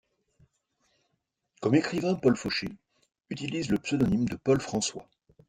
Comme écrivain, Paul Faucher utilise le pseudonyme de Paul François.